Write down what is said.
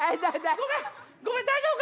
ごめんごめん大丈夫か？